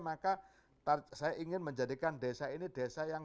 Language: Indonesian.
maka saya ingin menjadikan desa ini desa yang